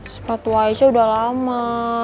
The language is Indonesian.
sepatu aisyah udah lama